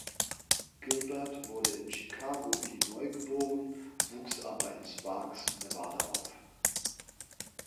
Gilbert wurde in Chicago, Illinois, geboren, wuchs aber in Sparks, Nevada, auf.